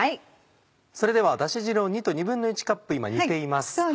それではだし汁を２と１／２カップ今煮ています。